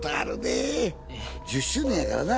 １０周年やからな。